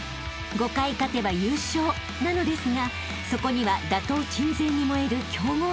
［５回勝てば優勝なのですがそこには打倒鎮西に燃える強豪たちが］